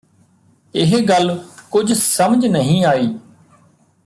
ਇਹ ਗੱਲ ਕੁਝ ਸਮਝ ਨਹੀਂ ਆਈ